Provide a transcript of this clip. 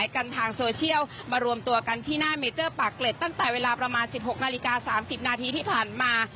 กันที่หน้าเมเจอร์ปากเกล็ดตั้งแต่เวลาประมาณ๑๖นาฬิกา๓๐นาทีที่ผ่านมา